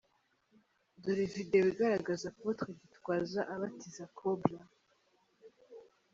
Dore Video igaragaza Apotre Gitwaza abatiza Cobra .